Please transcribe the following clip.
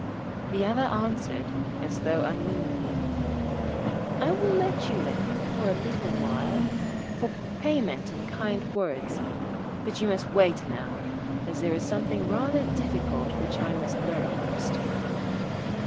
The other answered, as though unwillingly: 'I will let you in for a little while for payment and kind words, but you must wait an hour, as there is something rather difficult which I must learn first.'